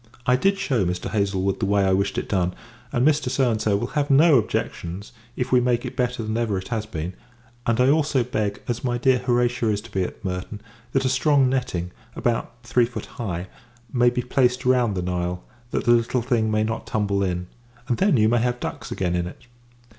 I did shew Mr. Haslewood the way I wished it done; and Mr. will have no objections, if we make it better than ever it has been: and, I also beg, as my dear Horatia is to be at Merton, that a strong netting, about three feet high, may be placed round the Nile, that the little thing may not tumble in; and, then, you may have ducks again in it.